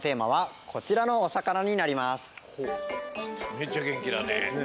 めっちゃ元気だね。